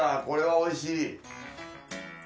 これはおいしい。